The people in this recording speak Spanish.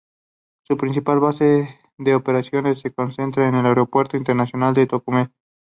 Su principal base de operaciones se concentra en el Aeropuerto Internacional de Tocumen.